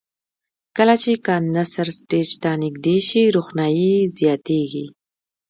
کله چې کاندنسر سټیج ته نږدې شي روښنایي یې زیاتیږي.